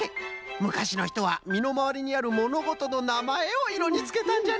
むかしのひとはみのまわりにあるものごとのなまえをいろにつけたんじゃね。